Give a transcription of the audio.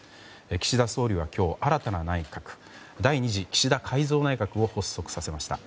岸田総理は今日、新たな内閣第２次岸田改造内閣を発足させました。